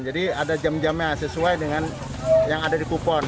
jadi ada jam jamnya sesuai dengan yang ada di kupon